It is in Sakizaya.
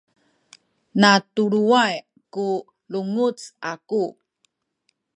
natuluway ku lunguc aku